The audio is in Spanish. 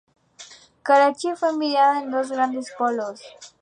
Karachi fue dividida en dos grandes polos.